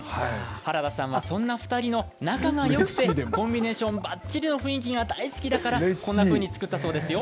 原田さんはそんな２人の仲がよくてコンビネーションばっちりの雰囲気が大好きだからこんなふうに作ったそうですよ。